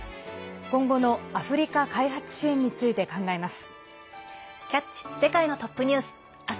今後のアフリカ開発支援について考えます。